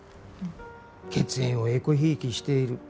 血縁をえこひいきしている。